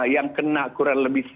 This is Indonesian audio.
yang kena kurang lebih